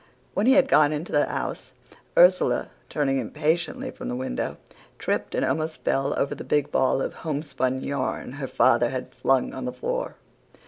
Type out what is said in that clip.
"When he had gone into the house, Ursula, turning impatiently from the window, tripped and almost fell over the big ball of homespun yarn her father had flung on the floor.